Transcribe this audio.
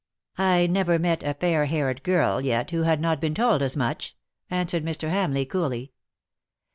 '^ I never met a fair haired girl yet who had not been told as much/' answered Mr. Hamleigh coolly.